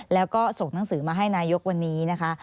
แล้วก็ส่งหนังสือมาให้นายกวันนี้นะคะ